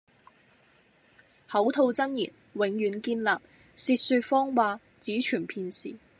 口吐真言，永遠堅立；舌說謊話，只存片時。